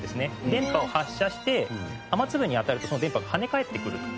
電波を発射して雨粒に当たるとその電波が跳ね返ってくると。